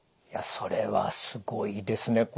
いやそれはすごいですね。